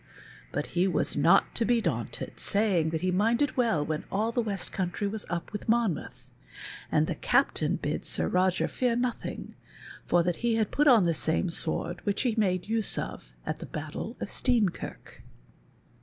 "" but he was not to be daunted, saying he minded well when all the West Country was up with Monmouth ; and the Captain bid Sir Roger fear nothing, for that he had put on the same sword which he made use of at the battle of Steenkirk.